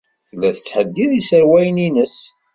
Tella tettḥeddid iserwalen-nnes.